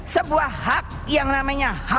sebuah hak yang namanya